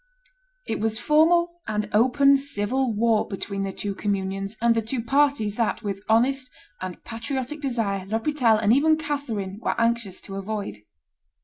It was formal and open civil war between the two communions and the two parties that, with honest and patriotic desire, L'Hospital and even Catherine were anxious to avoid.